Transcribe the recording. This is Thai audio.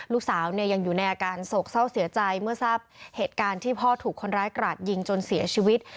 ลูกสาวเนี่ยยังอยู่ในอาการโศกเศร้าเสียใจเมื่อทราบเหตุการณ์ที่พ่อถูกคนร้ายกราดยิงจนเสียชีวิต